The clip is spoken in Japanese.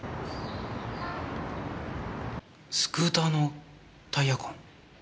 スクーターのタイヤ痕。